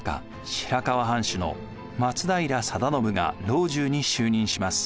白河藩主の松平定信が老中に就任します。